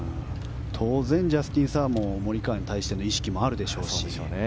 当然ジャスティン・サーもモリカワに対しての意識もあるでしょうし。